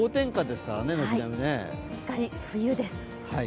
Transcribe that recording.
すっかり冬です。